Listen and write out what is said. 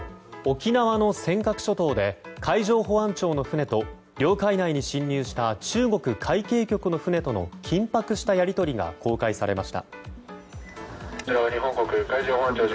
沖縄の尖閣諸島で海上保安庁の船と領海内に侵入した中国海警局の船との緊迫したやり取りが公開されました。